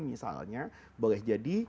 misalnya boleh jadi